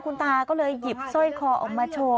คุณตาก็เลยหยิบสร้อยคอออกมาโชว์